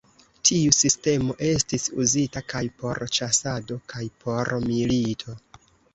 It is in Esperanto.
Tiu sistemo estis uzita kaj por ĉasado kaj por milito.